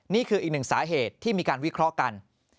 นี่คืออีกหนึ่งสาเหตุที่มีการวิเคราะห์กัน